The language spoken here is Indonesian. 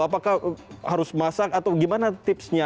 apakah harus masak atau gimana tipsnya